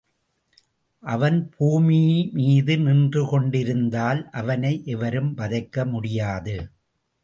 அவன் பூமி மீது நின்றுகொண்டிருந்தால், அவனை எவரும் வதைக்க முடியாது.